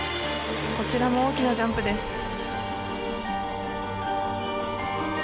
こちらも大きなジャンプです。